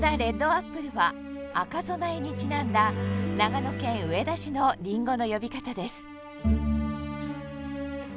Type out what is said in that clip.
アップルは赤備えにちなんだ長野県上田市のりんごの呼び方です